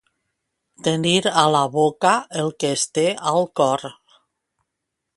Tenir a la boca el que es té al cor.